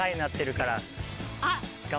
あっ！